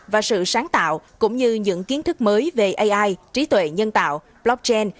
và sự sáng tạo cũng như những kiến thức mới về ai trí tuệ nhân tạo blockchain